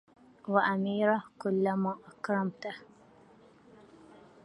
وأمير كلما أكرمته